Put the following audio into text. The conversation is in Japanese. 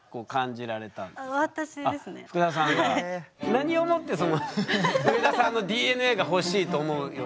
何をもって上田さんのＤＮＡが欲しいと思うようになったんですか？